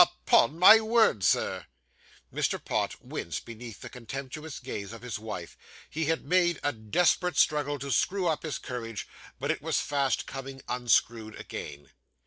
'Upon my word, Sir!' Mr. Pott winced beneath the contemptuous gaze of his wife. He had made a desperate struggle to screw up his courage, but it was fast coming unscrewed again.